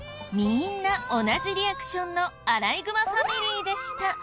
みんな同じリアクションのアライグマファミリーでした。